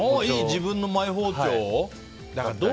自分のマイ包丁をね。